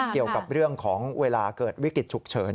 เกี่ยวกับเรื่องของเวลาเกิดวิกฤตฉุกเฉิน